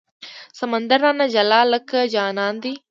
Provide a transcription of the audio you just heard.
سمندر رانه جلا لکه جانان دی